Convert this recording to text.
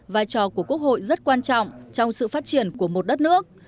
vai trò của quốc hội rất quan trọng trong sự phát triển của một đất nước